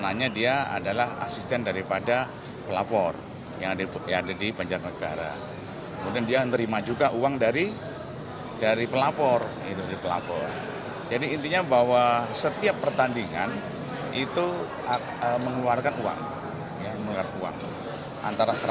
anik berperan mengumpulkan uang dari pelapor yakni lasmi indrayani manajer persibara banjar negara